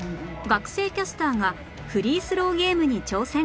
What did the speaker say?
学生キャスターがフリースローゲームに挑戦！